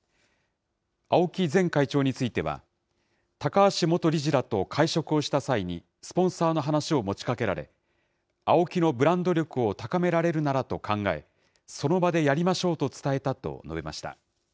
青木前会長については、高橋元理事らと会食をした際に、スポンサーの話を持ちかけられ、ＡＯＫＩのブランド力を高められるならと考え、その場でやりましょうと伝えたと述べました。